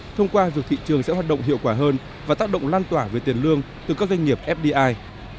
thông qua việc thị trường sẽ hoạt động hiệu quả hơn và tác động lan tỏa về tiền lương từ các doanh nghiệp fdi